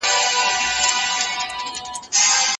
په بهر کي میشتو افغانانو هیواد ته پیسې رالیږلې.